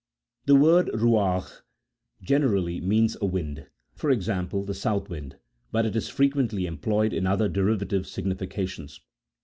The word ruagh literally means a wind, e.g. the south wind, but it is frequently employed in other derivative significations.